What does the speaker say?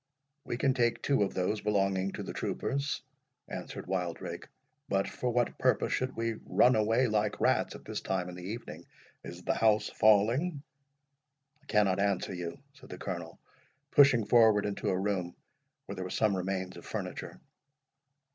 "We can take two of those belonging to the troopers," answered Wildrake. "But for what purpose should we run away, like rats, at this time in the evening?—Is the house falling?" "I cannot answer you," said the Colonel, pushing forward into a room where there were some remains of furniture.